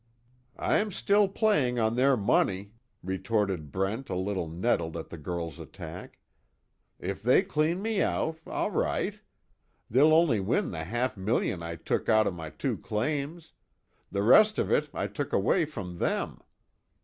"I'm still playing on their money," retorted Brent a little nettled at the girl's attack. "If they clean me out, all right. They'll only win the half million I took out of my two claims the rest of it I took away from them.